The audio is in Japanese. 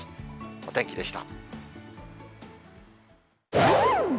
お天気でした。